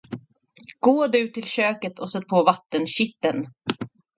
Gå du till köket och sätt på vattenkitteln.